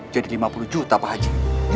jadi lima puluh juta pak haji